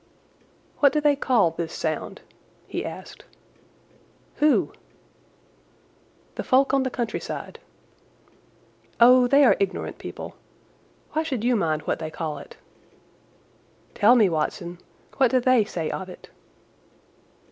"What do they call this sound?" he asked. "Who?" "The folk on the countryside." "Oh, they are ignorant people. Why should you mind what they call it?" "Tell me, Watson. What do they say of it?"